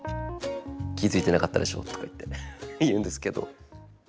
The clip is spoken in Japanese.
「気付いてなかったでしょ」とかいって言うんですけど。